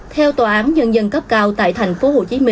theo tòa án nhân dân cấp cao tại tp hcm